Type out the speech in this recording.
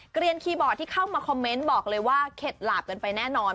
เรียนคีย์บอร์ดที่เข้ามาคอมเมนต์บอกเลยว่าเข็ดหลาบกันไปแน่นอน